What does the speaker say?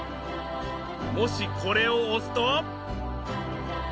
もしこれを押すと。